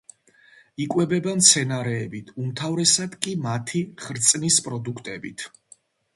იკვებება მცენარეებით, უმთავრესად კი მათი ხრწნის პროდუქტებით.